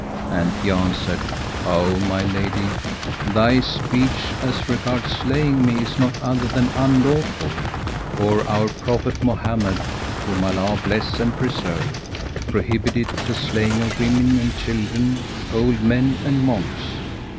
and he answered, "O my lady, thy speech as regards slaying me is not other than unlawful; for our prophet Mohammed (whom Allah bless and preserve!) prohibited the slaying of women and children, old men and monks!"